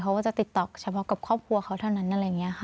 เขาก็จะติดต่อเฉพาะกับครอบครัวเขาเท่านั้นอะไรอย่างนี้ค่ะ